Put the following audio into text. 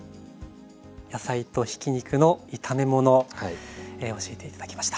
野菜とひき肉の炒め物教えて頂きました。